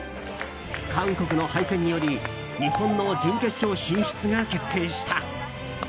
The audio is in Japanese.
韓国の敗戦により日本の準決勝進出が決定した。